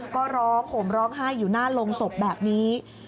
ก็ร้องห่มร้องไห้อยู่หน้าโรงศพแบบนี้